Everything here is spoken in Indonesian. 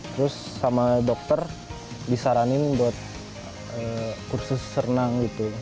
terus sama dokter disaranin buat kursus renang gitu